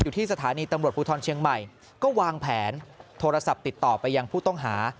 อยู่ที่สถานีตำรวจภูทรเชียงใหม่ก็วางแผนโทรศัพท์ติดต่อไปยังผู้ต้องหา